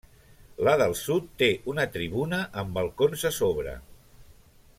La del sud té una tribuna amb balcons a sobre.